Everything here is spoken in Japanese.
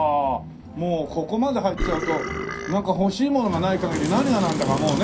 もうここまで入っちゃうとなんか欲しいものがない限り何がなんだかもうね。